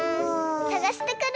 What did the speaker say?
さがしてくる！